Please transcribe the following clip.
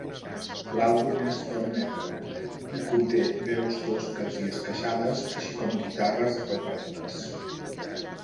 L'àlbum és "doom-metal" i conté veus tosques i esqueixades, així com guitarres aclaparadores.